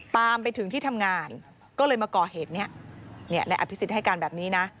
ตามไปถึงที่ทำงานก็เลยมาก่อเหตุเนี้ยนายอภิษฎให้การแบบนี้นะ